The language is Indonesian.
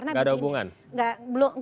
gak ada hubungan